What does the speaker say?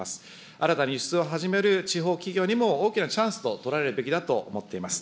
新たに輸出を始める地方企業にも大きなチャンスと捉えるべきだと思っております。